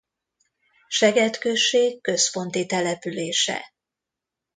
Seget község központi települése.